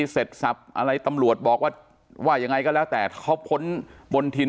เสร็จสับอะไรตำรวจบอกว่าว่ายังไงก็แล้วแต่เขาพ้นบนทิน